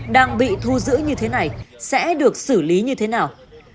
đang bị thu giữ như thế này sẽ được xử lý như thế nào